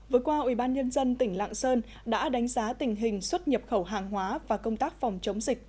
vừa qua ubnd tỉnh lạng sơn đã đánh giá tình hình xuất nhập khẩu hàng hóa và công tác phòng chống dịch